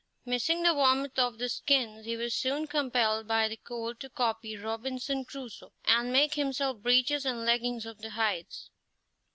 Missing the warmth of the skins, he was soon compelled by the cold to copy Robinson Crusoe and make himself breeches and leggings of the hides.